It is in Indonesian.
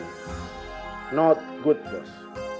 tidak bagus bos